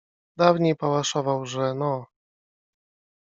Dawniej pałaszował, że no.